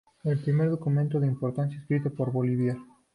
Es el primer documento de importancia escrito por Bolívar.